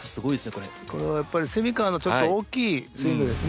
これはやっぱり川のちょっと大きいスイングですね。